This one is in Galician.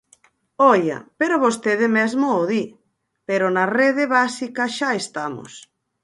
¡Oia!, pero vostede mesmo o di, pero na rede básica xa estamos.